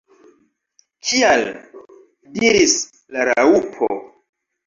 "Kial?" diris la Raŭpo.